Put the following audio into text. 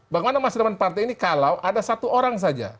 bagaimana masa depan partai ini kalau ada satu orang saja